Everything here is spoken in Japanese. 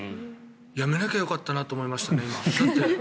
やめなきゃよかったなと思いました今。